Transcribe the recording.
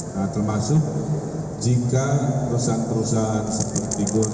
nah termasuk jika perusahaan perusahaan seperti gonto dan lain lain